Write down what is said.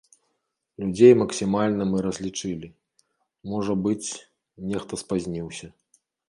Людзей максімальна мы разлічылі, можа быць, нехта спазніўся.